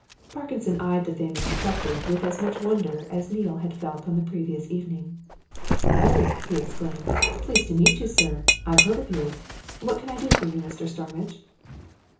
Parkinson eyed the famous detective with as much wonder as Neale had felt on the previous evening. "Oh!" he exclaimed. "Pleased to meet you, sir I've heard of you. What can I do for you, Mr. Starmidge?"